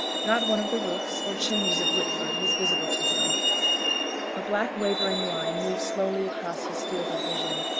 Not one of the roofs or chimneys of Whitford was visible to him. A black wavering line moved slowly across his field of vision.